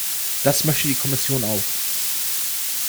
Das möchte die Kommission auch.